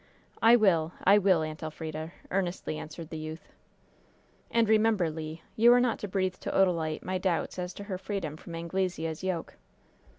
"I will! I will, Aunt Elfrida!" earnestly answered the youth. "And remember, Le, you are not to breathe to Odalite my doubts as to her freedom from Anglesea's yoke."